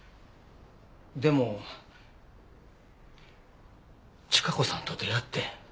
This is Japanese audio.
でも千加子さんと出会って。